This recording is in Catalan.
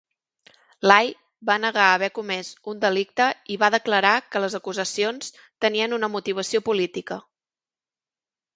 Lai va negar haver comès un delicte i va declarar que les acusacions tenien una motivació política.